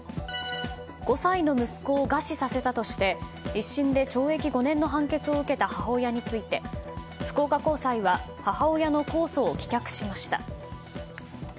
５歳の息子を餓死させたとして１審で懲役５年の判決を受けた母親について、福岡高裁は母親の控訴を棄却しました。